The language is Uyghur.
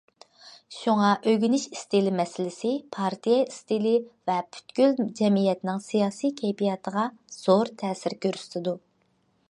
شۇڭا ئۆگىنىش ئىستىلى مەسىلىسى پارتىيە ئىستىلى ۋە پۈتكۈل جەمئىيەتنىڭ سىياسىي كەيپىياتىغا زور تەسىر كۆرسىتىدۇ.